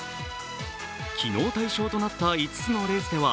昨日、対象となった５つのレースでは